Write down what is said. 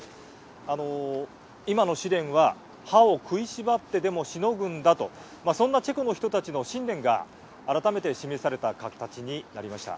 あの、今の試練は歯を食いしばってでもしのぐんだとそんなチェコの人たちの信念が改めて示された形になりました。